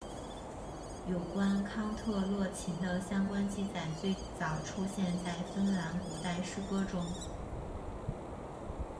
有关康特勒琴的相关记载最早出现在芬兰古代诗歌中。